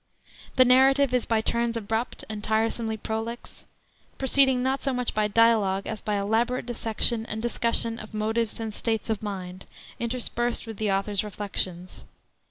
The narrative is by turns abrupt and tiresomely prolix, proceeding not so much by dialogue as by elaborate dissection and discussion of motives and states of mind, interspersed with the author's reflections.